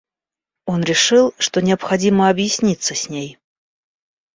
Он решил, что необходимо объясниться с ней.